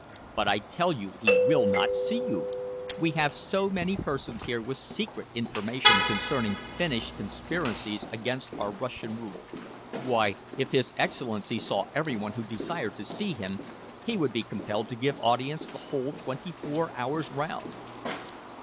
"But I tell you he will not see you. We have so many persons here with secret information concerning Finnish conspiracies against our Russian rule. Why, if his Excellency saw everyone who desired to see him, he would be compelled to give audience the whole twenty four hours round."